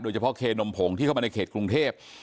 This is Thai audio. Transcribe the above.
โดยเฉพาะเคนมผงที่เข้ามาในเขตกรุงเทพฯ